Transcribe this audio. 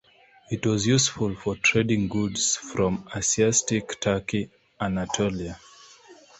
It was useful for trading goods from Asiatic Turkey (Anatolia).